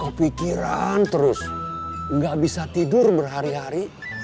kok pikiran terus gak bisa tidur berhari hari